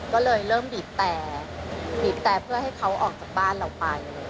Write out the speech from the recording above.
ก็เลยเริ่มบีบแต่บีบแต่เพื่อให้เขาออกจากบ้านเราไป